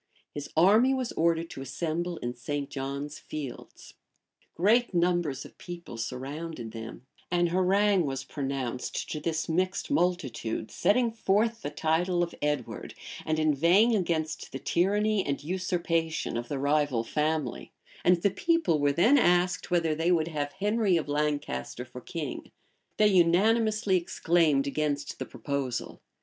His army was ordered to assemble in St. John's Fields; great numbers of people surrounded them; an harangue was pronounced to this mixed multitude, setting forth the title of Edward, and inveighing against the tyranny and usurpation of the rival family; and the people were then asked whether they would have Henry of Lancaster for king. They unanimously exclaimed against the proposal.